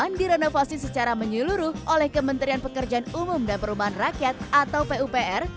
yang direnovasi secara menyeluruh oleh kementerian pekerjaan umum dan perumahan rakyat atau pupr